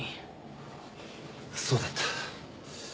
そうだった。